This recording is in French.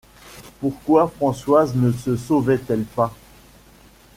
Pourquoi Françoise ne se sauvait-elle pas?